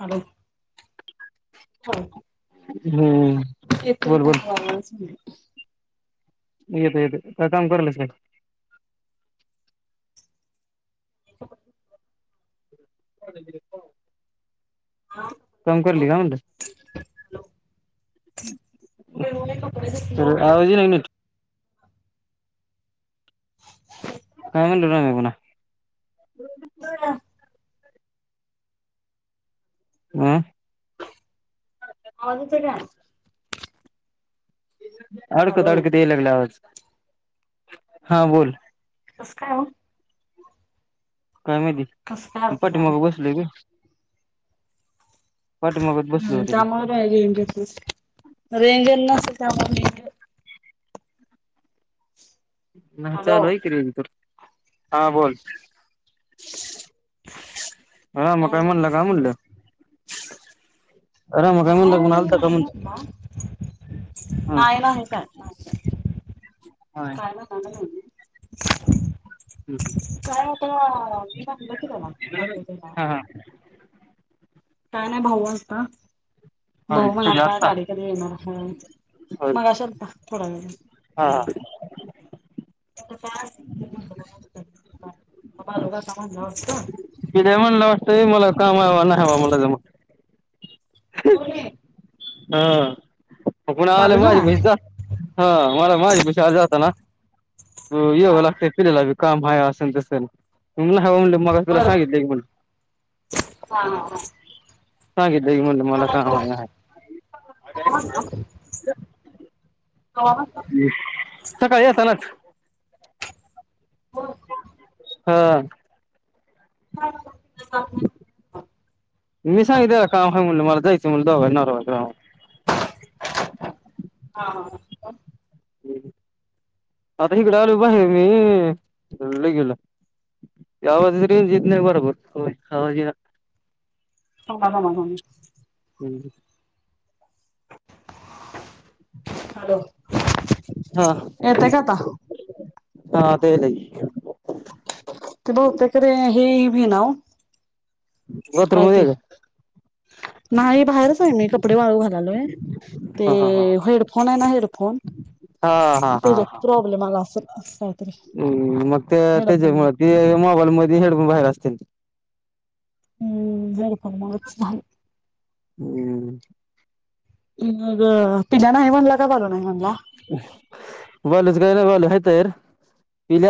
Hello ह हम्म येतोय बोल बोल काय आवाज येते येते काय काम करायलेस काय च्या काय काम करायली का म्हणलं ब होय होय कपडे धुतलो. तर आवाज येईना काय म्हनल रव्या पुणा कस काय अ आवाज येतंय का अडकत अडकत याय लागला आवाज हा बोल काय ओ काय कसं काय माहाती अर्थ झाला? पाठीमाग बसलोय मी पाठीमागत बसलो हम् होतो त्यामूळ आहे रेंज रेंजर न [unintelligible] हम हॅलो चालू हाय की रेज पण हा बोल. [inaudible] आ मग काय झालं म्हणलं काय बोला. म्हणलं? [inaudible] काय आलता का नाही म्हणलं म्हणला हा? नाही नाही काय नाही काय हाय काय [inaudible] नाही [inaudible] काय आता मी म्हणलं की त्याला [inaudible] हा हा काय नाही भाऊ आलता. होय भाऊ कधी म्हणालात आत्ता गाडी कधी येणार हाय होय मगाशी आलता थोडा वेळ हा [inaudible] मग बाळू काका म्हणलं वाटतं. मी तर म्हणलं असतं मला काम हाय न्हाय बाबा मला जमत. कोण ए? हा [inaudible] हा‌‌ ना माज्यापाशी आली येताना. हो [unintelligible] काम हाय असं न तसं न. मी होय म्हणलं मगाशी तुला बरं सांगितलंय की हा हा हा [inaudible] सांगि लय म्हणलं मला त्याला काम कवा आहे हां. [inaudible] म्हणला सकाळी येतानाच. होय हा. [inaudible] मी सांगितलं त्याला मला काम हाय म्हणून मला जायच तुम्ही दोघांनी नवरा बायको या हा का? आता इकडे आलो बाहेर मी लघवीला आवाजच रेंज येत नाही बरोबर होय आवाज येईना. [inaudible] हम हम हॅलो हा येतंय का आता? हा ते [inaudible] मी ना बाथरूम काय मध्ये ते आहे का? - नाही बाहेरच आहे मी कपडे वाळू घालायलोय ते हा हा हा. हेडफोन आहे ना हेडफोन हा त्याचा प्रॉब्लेम आला असल [inaudible] हम् मग ते त्याच्यामुळ ते मोबाईल मधी हेडफोन बाहेर असतील हम्म [unintelligible] मग हम्म तिला नाही म्हणला का मला नाही म्हणला [unintelligible]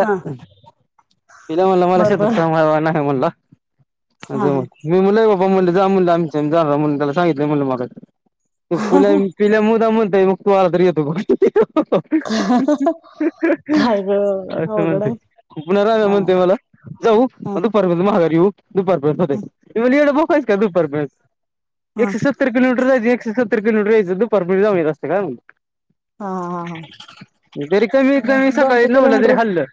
हा म्हणला मला बरोबर शेतात काम हाय नाही म्हणला [inaudible] बग हा हा म्हणलं जा म्हटलं आमच्या आमी जानारे म्हणून त्याला सांगितलंय मगाशी [unintelligible] तू आला तर येतो ह काय ग अस अवघड म्हणतंय आहे खुपणारे काय हा म्हणतंय मला जाऊ हा अन दुपारनच माघारी येऊ दुपार परेंत होतंय की होईल का दुपार परेंत हा एकशे सत्तर किलोमीटर जायच एकशे सतत [unintelligible] दुपारपर्यंत [unintelligible] नसतं काय म्हणून. हा हा हा अ तरी कमीत कमी मग सकाळी दोनशे नऊला जरी किलोमीटर हल्लं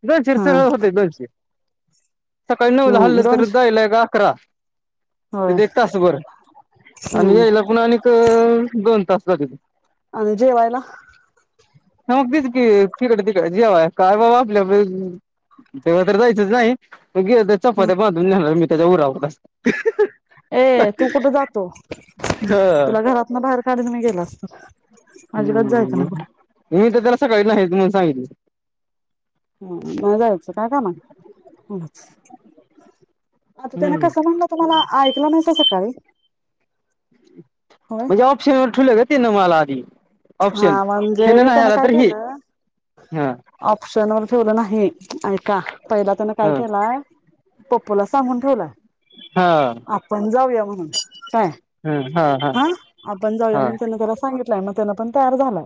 [unintelligible] हा सह होतंय दोनशे. सकाळी नऊला हम्म हललं तर दोनशे जायला एक अकरा. होय तिथे एक तासभर आणि हम्म यायला पण आणि एक दोन तास [unintelligible] अन जेवायला? [unintelligible] की तिकडं तिकड जेवाय काय बाबा आपल्या [unintelligible] देवाकडं जायचच नाही. गेलं त हम्म चपात्या बांधून नेणार मी. ते जऊ राव बस. ए तू कुठं जातो? तुला घरातनं बाहेर काढीन मी गेलास तर. हम्म मी तर त्याला सकाळी नाहीच म्हणून [unintelligible] हम्म नाही जायचं हाय क नाही हम्म. [inaudible] आता त्याना हम्म. कसं म्हणलं तुम्हाला कलांनच सकाळी होय म्हणजे ऑपशन ठुलंय होय तिन तुम्हाला आदी हा म्हणजे त्यान काय केलं हा ऑप्शन वर ठेवलं नाही! ऐका पहिला त्यान काय हा केलाय पप्पूला सांगून ठेवलाय हा आपण जाऊया म्हणून काय हा आपण जाऊया म्हणून त्यांन त्याला सांगितलं! लय त्यांन पण तयार झाला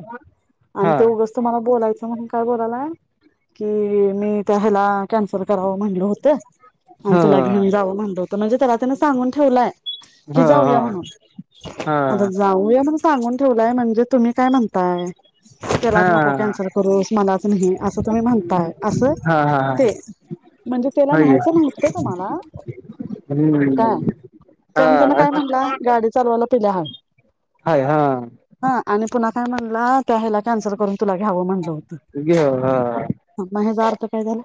हा आणि हा उगाच तुमला बोलाय च म्हणून काय बोलाला की मी त्या ह्याला कॅन्सल करावं म्हणल होतं! आणि तुला हा घेऊन जाऊ म्हणलो तर म्हणजे त्याला त्यान सांगून ठेवलाय की हा जाऊया म्हणून, हा आता जाऊया म्हण सांगून ठेवय म्हणजे तुम्ही काय म्हणताय? हा त्यालाच नको कॅन्सल करूस मलाच नाही असं तुम्ही म्हणताय अस हा हा हा हा ते म्हणजे, त्याला होय न्यायचं न्हत तुम्हाला काय हम्म कारण त्या हा काय म्हण गाडी चालवायला तला ह हाय हा पुन्हा काय म्हणला त्या ह्याला कॅन्सल करून तुला घ्याव म्हणलं होत घे हा म हेजा अर्थ काय झाला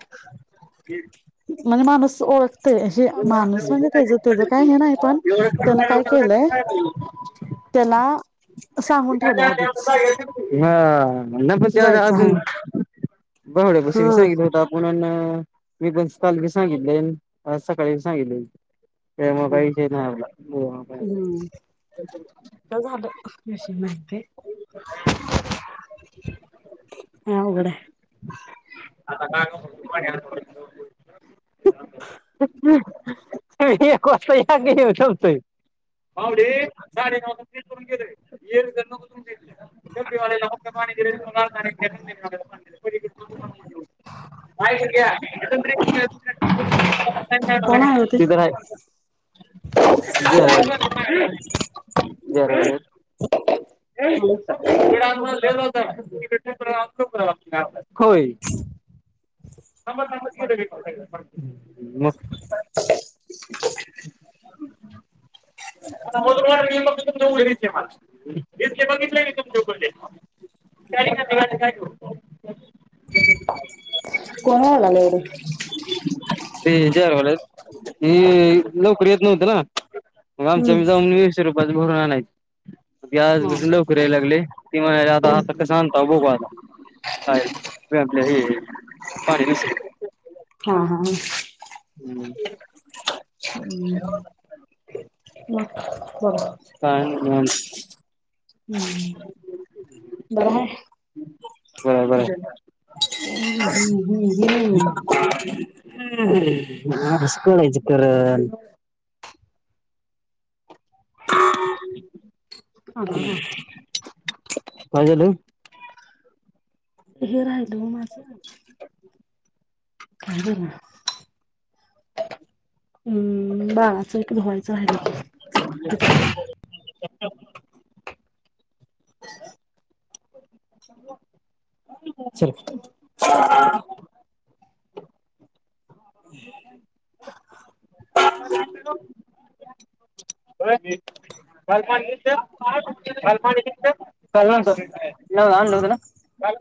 मानु [inaudible] ते माणूस म्हणजे त्याच त्याच काय हे नाही पण त्यान काय केलंय त्याला सांगून ठेवले आधीच हा म्हन जायचं आहे अजून भावड्या पशी बी हा सांगितल होत आपूण म्हणून मी पण काल बी सांगितले आज सकाळी सांगितलय हम् झालं आताशी हा अवघड हाय [inaudible] [inaudible] एक होतंय आणि थांबताय पावडे साडे नऊ ला टी सोडून गेलोय डबडी वाल्याला फक्त पाणी दिलंय पलिकड [inaudible] कोण आहे ओ ते तर आहे [inaudible] [inaudible] होय. [unintelligible] [inaudible] हम्म मग. [inaudible] डिचकी बघितलाय काय तुमच्याकडले? [unintelligible] [unintelligible] ए कोण ओरडालय एवढं लवकर ये [inaudible] मग आमच्या बी हम्म जाऊन वीस रुप [unintelligible] भरून आणायचं. गॅस बिस लवकर याय लागलंय [unintelligible] कसं आणताव बघू आता काय नाही आपल्या हे पाणी नुसार. हां हां हां. हम्म. मग? [unintelligible] हम्म हम्म बरं हाय? बरं आहे बरं आहे. अम्म हं हं हं. [unintelligible] म असं करायचं करन. [inaudible] काय झालं? हे राहिलं ओ माझं काय बरं? अम्म बाळाचं धुवायचं राहिलं त [unintelligible] [inaudible] चला. होय काल पाणी दिलंत? [unintelligible] काल पाणी दिलंत? [unintelligible] काल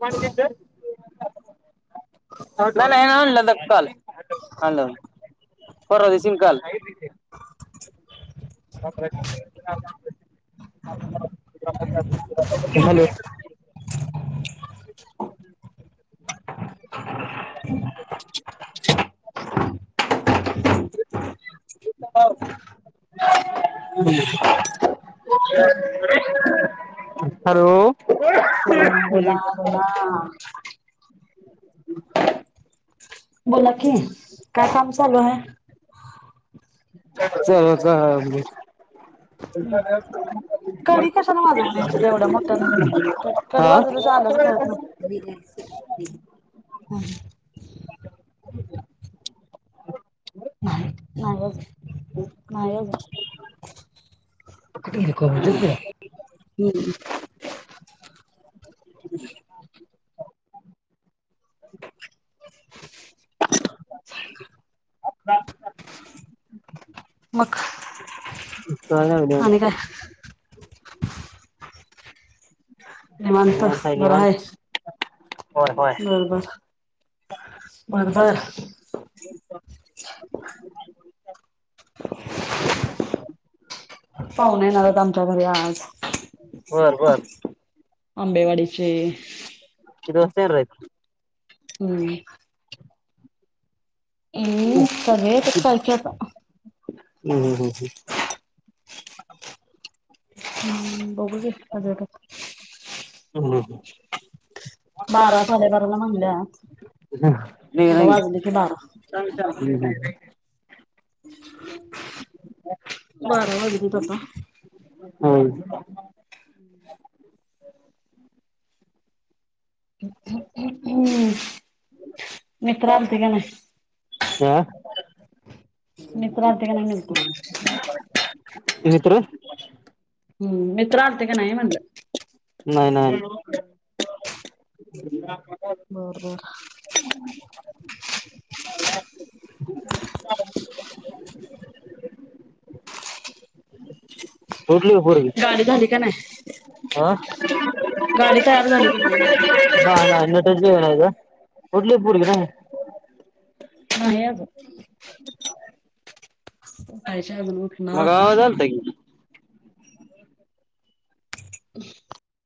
पाणी दिलंत? नाही नाही आणलंत काल, परवा दिवशी आन काल. [unintelligible] हॅलो? बोला [unintelligible] हॅलो? बोला बोला बोला. बोला की, काय काम चालू हाय? चला [unintelligible] कडी कशाला वाजून यायचं एवढ्या मोठ्यानं कडी कडी हा वाजवल्याशिवाय आल्याचं कळत नाही. होय. न्हाई नाय बाबा. नाईलाज आहे. एखादं दे की. हम्म. मग म चांगल्या ग आणि काय देवांशे निवांत बरं हाय. होय होय बरंबरं बरबर. [inaudible] [inaudible] [inaudible] पाहुणे येणारेत आमच्या घरी आज. बर बरं आंबेवाडीचे किती वाजता येणार हाइत? हम्म. हम्म करेल ते कॉल कि आता. [unintelligible] हम्म हम्म. बारा साडेबाराला म्हणल्यात नाही आता नाही वाजले की बारा हम्म बारा वाजलेत आता. हम्म. [unintelligible] हम्म मित्र आलती का नाही. आ. मित्र आलती का नाही म्हणलो. मित्र. हम्म मित्र आलते का नाही म्हणलं. नाही नाही. [unintelligible] [unintelligible] बर बर. पटली का पोरगी गाडी झाली का नाही आ गाडी तयार झाली का नाही. पटली का पोरगी नाही. नाहीं आजुन. [unintelligible] मग आता. आवाज आलता की. [unintelligible]